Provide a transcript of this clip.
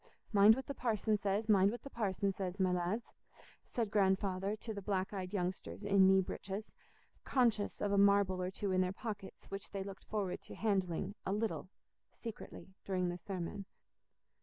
"Mind what the parson says, mind what the parson says, my lads," said Grandfather to the black eyed youngsters in knee breeches, conscious of a marble or two in their pockets which they looked forward to handling, a little, secretly, during the sermon.